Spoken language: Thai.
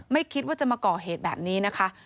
ไม่คิดว่าจะมาก่อเหตุแบบนี้นะคะ